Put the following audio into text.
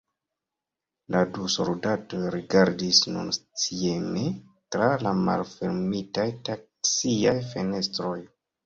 La du soldatoj rigardis nun scieme tra la malfermitaj taksiaj fenestroj.